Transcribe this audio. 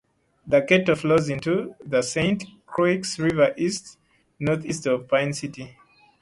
The Kettle flows into the Saint Croix River east-northeast of Pine City.